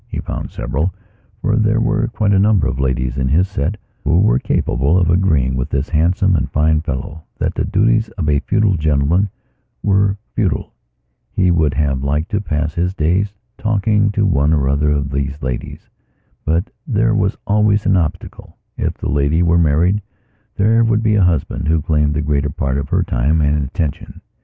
He found severalfor there were quite a number of ladies in his set who were capable of agreeing with this handsome and fine fellow that the duties of a feudal gentleman were feudal. He would have liked to pass his days talking to one or other of these ladies. But there was always an obstacleif the lady were married there would be a husband who claimed the greater part of her time and attention.